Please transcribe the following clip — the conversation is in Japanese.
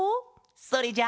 それじゃあ。